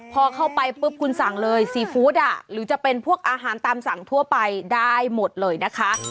พอเข้าไปปุ๊บคุณสั่งเลยซีฟู้ดหรือจะเป็นพวกอาหารตามสั่งทั่วไปได้หมดเลยนะคะ